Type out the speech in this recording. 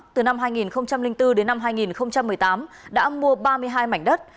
từ năm hai nghìn bốn đến năm hai nghìn một mươi tám đã mua ba mươi hai mảnh đất